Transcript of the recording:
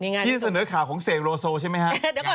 นี่ง่ายที่จะเสนอข่าวของเศกโลโซใช่ไหมฮะ